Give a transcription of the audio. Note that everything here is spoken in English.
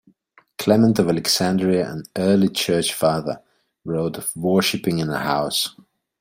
Clement of Alexandria, an early church father, wrote of worshipping in a house.